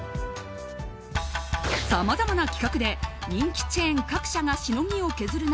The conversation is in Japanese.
さまざまな企画で人気チェーン各社がしのぎを削る